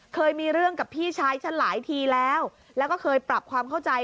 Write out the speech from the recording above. เคยมีเรื่องกับพี่ชายฉันหลายทีแล้วแล้วก็เคยปรับความเข้าใจ